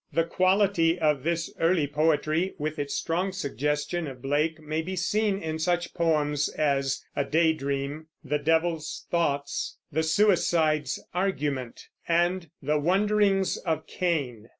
The quality of this early poetry, with its strong suggestion of Blake, may be seen in such poems as "A Day Dream," "The Devil's Thoughts," "The Suicide's Argument," and "The Wanderings of Cain."